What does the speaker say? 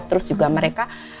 terus juga mereka